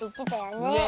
ねえ。